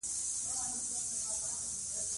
اوبه د ژوند بنسټ دی.